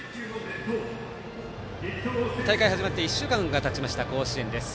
大会始まって１週間がたちました甲子園です。